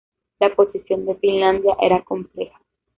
La posición de Finlandia era compleja.